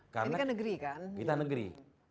karena kita negeri